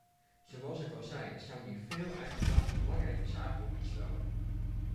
Zoals ik al zei, staan hier veel uitermate belangrijke zaken op het spel.